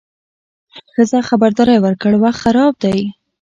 ښځه خبرداری ورکړ: وخت خراب دی.